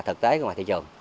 thực tế của thị trường